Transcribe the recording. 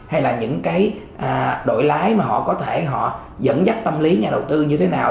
hay là những cái đổi lái mà họ có thể họ dẫn dắt tâm lý nhà đầu tư như thế nào